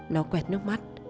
nó quẹt nước mắt